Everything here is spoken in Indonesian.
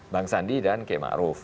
bang sandi dan k ma'ruf